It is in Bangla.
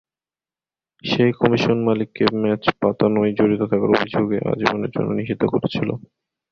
সেই কমিশন মালিককে ম্যাচ পাতানোয় জড়িত থাকার অভিযোগে আজীবনের জন্য নিষিদ্ধ করেছিল।